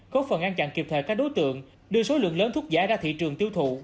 có phần an chặn kịp thời các đối tượng đưa số lượng lớn thuốc dạy ra thị trường tiêu thụ